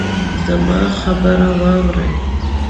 زما خبره واورئ